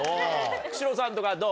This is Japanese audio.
久代さんとかどう？